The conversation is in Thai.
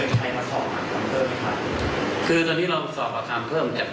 ครับตอนนี้เราได้มีเชิงใจมาสอบกับคำเพิ่มไหมครับ